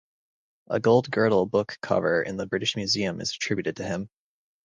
A gold girdle book cover in the British Museum is attributed to him.